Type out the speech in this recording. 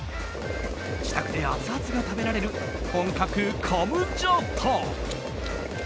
自宅でアツアツが食べられる本格カムジャタン。